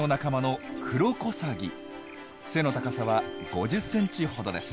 背の高さは５０センチほどです。